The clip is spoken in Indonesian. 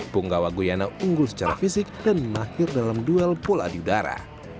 punggawa guyana unggul secara fisik dan mahir dalam duel pola di udara